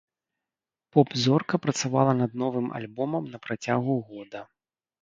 Поп-зорка працавала над новым альбомам на працягу года.